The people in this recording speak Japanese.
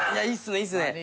いいっすね。